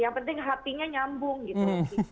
yang penting hatinya nyambung gitu